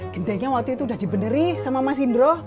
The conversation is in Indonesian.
gedenya waktu itu udah dibeneri sama mas indro